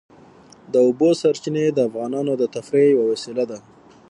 د اوبو سرچینې د افغانانو د تفریح یوه وسیله ده.